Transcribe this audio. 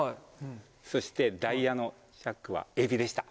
そしてダイヤのジャックは「えび」でした。